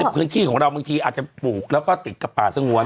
พื้นที่ของเราบางทีอาจจะปลูกแล้วก็ติดกับป่าสงวน